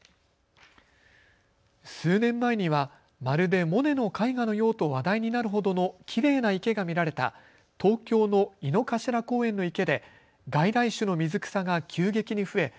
数年前にはまるでモネの絵画のようと話題になるほどのきれいな池が見られた東京の井の頭公園の池で外来種の水草が急激に増え